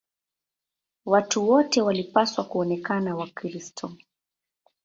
Watu wote walipaswa kuonekana Wakristo.